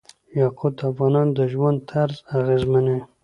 یاقوت د افغانانو د ژوند طرز اغېزمنوي.